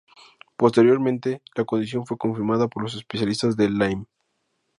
Posteriormente, la condición fue confirmada por los especialistas de Lyme.